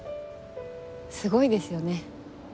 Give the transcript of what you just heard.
すごいですよね。